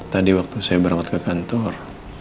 tadi waktu saya berangkat ke kantor